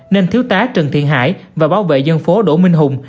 nên thiếu tá trần thiện hải và bảo vệ dân phố đỗ minh hùng